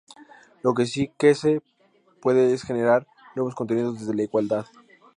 lo que sí quese puede es generar nuevos contenidos desde la igualdad